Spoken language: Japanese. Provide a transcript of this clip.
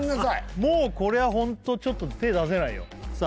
もうこれはホントちょっと手出せないよさあ